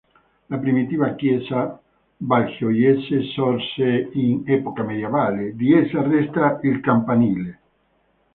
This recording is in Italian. La primitiva chiesa valgioiese sorse in epoca medievale; di essa resta il campanile.